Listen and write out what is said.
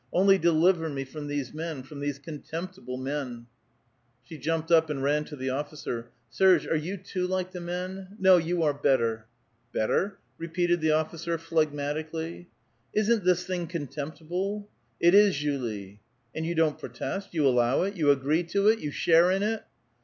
Only deliver me from these men, from these contemptible men !" She jumped up, and ran to the officer: "Serge, are you too like the rest? No, you are better." '* Better?" repeated the officer, phlegmatically. '' Isn't this thing contemptible?" " It is, Julie." " And you don't protest? You allow it? You agi*ee to it? You share in it?